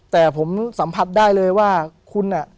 แต่ผมสัมผัสได้เลยว่าคุณน่ะ